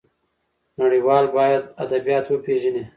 نړيوال بايد زموږ ادبيات وپېژني.